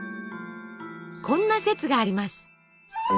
こんな説があります。